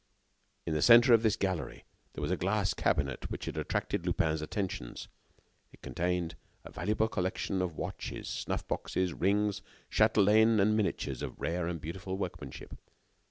In the center of this gallery there was a glass cabinet which had attracted Lupin's attentions. It contained a valuable collection of watches, snuff boxes, rings, chatelaines and miniatures of rare and beautiful workmanship.